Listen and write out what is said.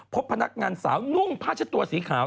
พบพนักงานสาวนุ่งผ้าเช็ดตัวสีขาว